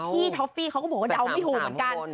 ท็อฟฟี่เขาก็บอกว่าเดาไม่ถูกเหมือนกัน